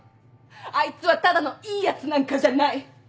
あいつはただのいいやつなんかじゃない！